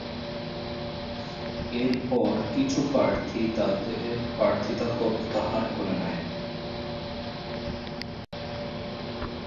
এর পর কিছু প্রার্থী তাদের প্রার্থীতা প্রত্যাহার করে নেয়।